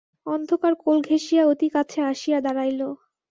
অন্ধকার কোলঘেঁসিয়া অতিকাছে আসিয়া দাঁড়াইল!